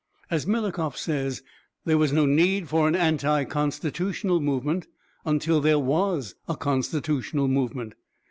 As Milukov says, there was no need for an anti constitutional movement until there was a constitutional movement.